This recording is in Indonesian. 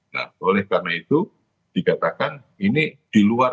nah oleh karena itu dikatakan ini di luar